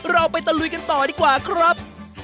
เราไปตะลุยกันต่อดีกว่าครับ